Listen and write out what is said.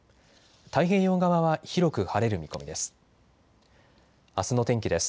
太平洋側は広く晴れる見込みです。